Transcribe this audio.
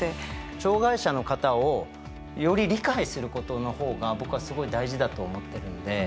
障害者の方をより理解することの方が僕はすごい大事だと思ってるんで。